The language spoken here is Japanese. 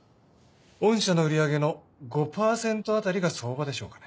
御社の売り上げの５％あたりが相場でしょうかね。